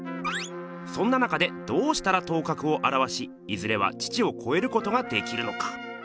そんな中でどうしたら頭角をあらわしいずれは父をこえることができるのか。